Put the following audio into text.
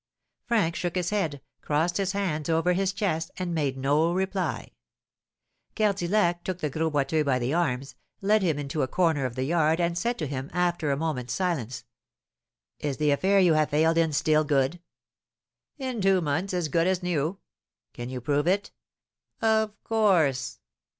Frank shook his head, crossed his hands over his chest, and made no reply. Cardillac took the Gros Boiteux by the arms, led him into a corner of the yard, and said to him, after a moment's silence: "Is the affair you have failed in still good?" "In two months as good as new." "Can you prove it?" "Of course."